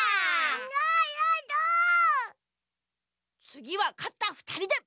つぎはかったふたりで。